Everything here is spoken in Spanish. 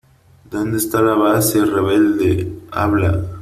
¿ Dónde esta la base rebelde ?¡ habla !